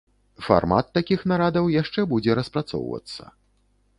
Фармат такіх нарадаў яшчэ будзе распрацоўвацца.